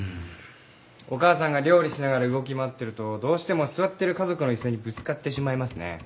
お母さんが料理しながら動き回ってるとどうしても座ってる家族の椅子にぶつかってしまいますね。